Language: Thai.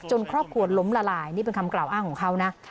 ครอบครัวล้มละลายนี่เป็นคำกล่าวอ้างของเขานะ